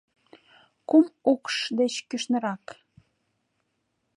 Кум укш деч кӱшнырак.